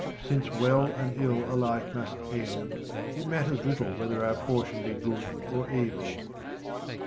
Since well and ill alike must end, it matters little whether our portion be good or evil.